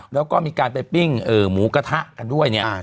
แล้วก็มีการไปปิ้งหมูกระทะกันด้วยเนี่ย